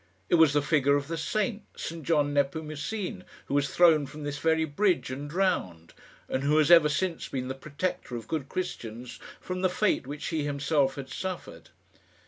It was the figure of the saint, St John Nepomucene, who was thrown from this very bridge and drowned, and who has ever since been the protector of good Christians from the fate which he himself had suffered.